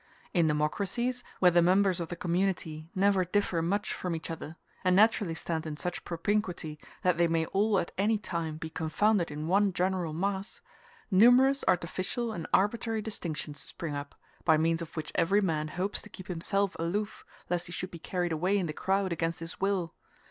In democracies, where the members of the community never differ much from each other, and naturally stand in such propinquity that they may all at any time be confounded in one general mass, numerous artificial and arbitrary distinctions spring up, by means of which every man hopes to keep himself aloof, lest he should be carried away in the crowd against his will.